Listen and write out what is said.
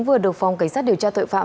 vừa được phòng cảnh sát điều tra tội phạm